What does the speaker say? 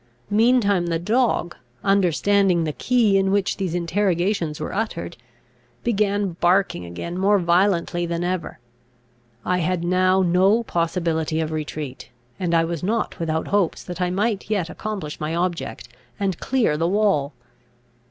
Meantime the dog, understanding the key in which these interrogations were uttered, began barking again more violently than ever. I had now no possibility of retreat, and I was not without hopes that I might yet accomplish my object, and clear the wall.